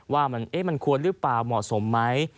ว่ามันควรหรือเปล่าเหมาะสมไหม